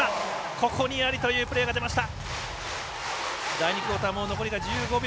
ここにありというプレーが出ました。